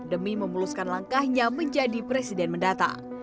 demi memuluskan langkahnya menjadi presiden mendata